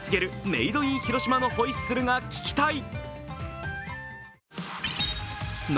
メードイン広島のホイッスルが聞きたい。